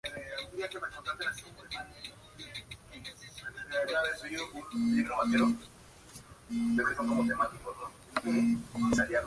Es directora del Centro Gallego de Música Popular.